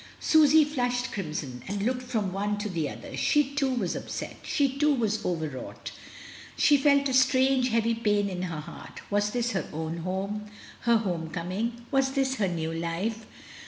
Susy flushed crimson, and looked from one to the other; she too was upset, she too was over wrought; she felt a strange, heavy pain in her heart. Was this her own home, her home coming; was this her new life?